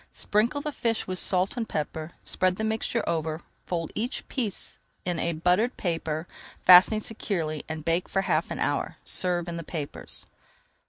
Sprinkle the fish with salt and pepper, spread the mixture over, fold each piece in buttered paper, fastening securely, and bake for half an hour. Serve in the papers.